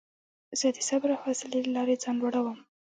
زه د صبر او حوصلې له لارې ځان لوړوم.